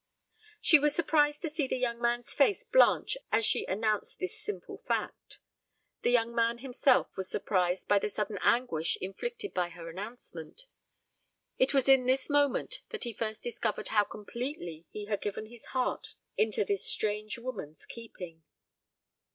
She was surprised to see the young man's face blanch as she announced this simple fact. The young man himself was surprised by the sudden anguish inflicted by her announcement. It was in this moment that he first discovered how completely he had given his heart into this strange woman's keeping.